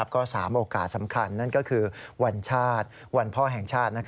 ก็๓โอกาสสำคัญนั่นก็คือวันชาติวันพ่อแห่งชาติ